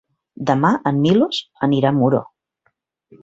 Demà en Milos anirà a Muro.